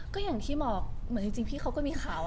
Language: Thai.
ก็หยังที่เหมือนที่พี่เขามีแข่วอ่ะ